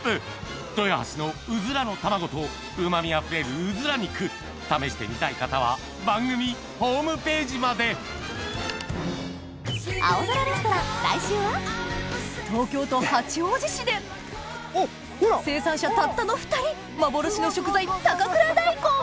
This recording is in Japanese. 豊橋のうずらの卵とうま味あふれるうずら肉試してみたい方は番組ホームページまで東京都八王子市で生産者たったの２人幻の食材高倉大根